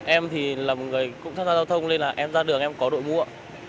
em thì là một người cũng tham gia giao thông nên là em ra đường em có đội mua